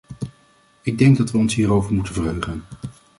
Ik denk dat we ons hierover moeten verheugen.